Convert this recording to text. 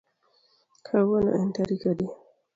Kawuono en tarik adi